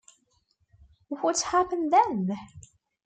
What happened then?